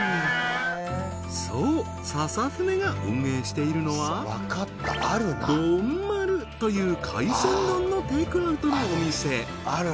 そうササフネが運営しているのは丼丸という海鮮丼のテイクアウトのお店